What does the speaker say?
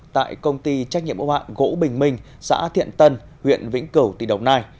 tại công ty trách nhiệm ô mạng gỗ bình minh xã thiện tân huyện vĩnh cửu tỉ đồng nai